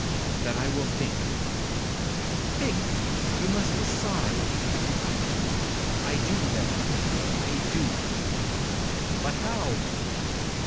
'That I will think.' 'Think! you must decide.' 'I do, then, I do.' 'But how?'